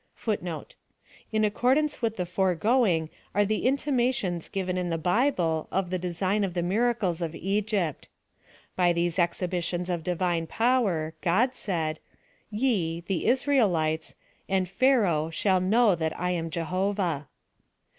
*• In accordance with the foregoing are the intimations given in the Bible of the design of the miracles of Egypt. By these exhibitions of Divine power God said —« Ye,*' the Israelites, « and Pliaraoh shall know that I am Jehovah."